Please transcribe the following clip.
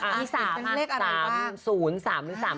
มี๓ภาพ๓๐๓๑๓๙๓ก็ได้นะ